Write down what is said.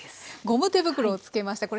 ゴム手袋を着けました。